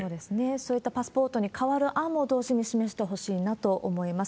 そういったパスポートに変わる案も、同時に示してほしいなと思います。